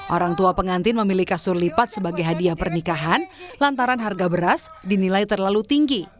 orang tua pengantin memilih kasur lipat sebagai hadiah pernikahan lantaran harga beras dinilai terlalu tinggi